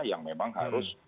yang memang harus